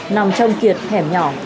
nằm trong kiệt hẻm nhỏ